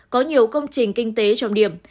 có nhiều công trình kinh tế trong điểm